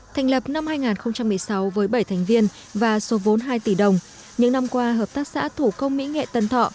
thành lập năm hai nghìn một mươi sáu với bảy thành viên và số vốn hai tỷ đồng những năm qua hợp tác xã thủ công mỹ nghệ tân thọ